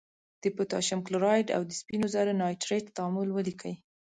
د پوتاشیم کلورایډ او د سپینو زور نایتریت تعامل ولیکئ.